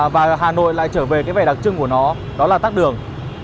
và hà nội lại trở về cái vẻ đặc trưng của nó đó là tắt đường